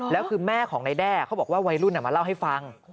แล้วคือแม่ของนายแด้เขาบอกว่าวัยรุ่นมาเล่าให้ฟัง